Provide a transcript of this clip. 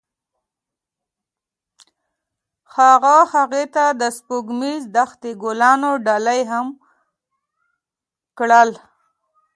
هغه هغې ته د سپوږمیز دښته ګلان ډالۍ هم کړل.